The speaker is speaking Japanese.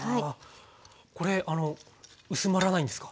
これ薄まらないんですか？